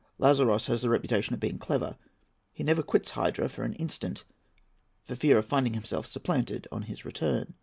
Lazaros has the reputation of being clever. He never quits Hydra for an instant, for fear of finding himself supplanted on his return.